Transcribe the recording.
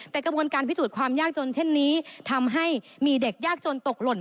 แต่กระบวนการพิสูจน์ความยากจนเช่นนี้ทำให้มีเด็กยากจนตกหล่น